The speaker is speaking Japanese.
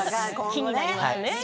気になりますね。